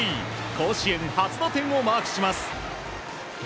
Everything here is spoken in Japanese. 甲子園初打点をマークします。